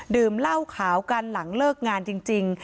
ดื่มเหล้าขาวกันหลังเลิกงานจริง